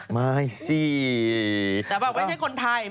ไม่สิแต่แบบไม่ใช่คนไทย